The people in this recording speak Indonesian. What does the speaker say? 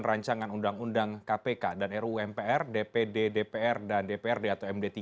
rancangan undang undang kpk dan ruu mpr dpd dpr dan dprd atau md tiga